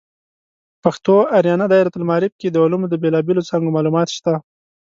پښتو آریانا دایرة المعارف کې د علومو د بیلابیلو څانګو معلومات شته.